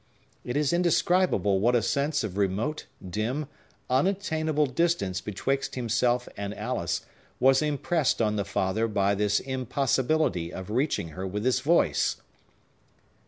It is indescribable what a sense of remote, dim, unattainable distance betwixt himself and Alice was impressed on the father by this impossibility of reaching her with his voice.